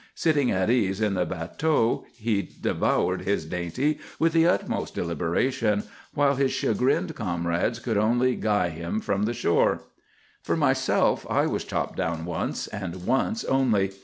Sitting at ease in the bateau, he devoured his dainty with the utmost deliberation, while his chagrined comrades could only guy him from the shore. "For myself, I was chopped down once, and once only.